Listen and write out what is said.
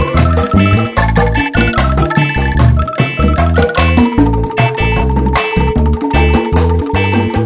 yang dulu nyiksa kita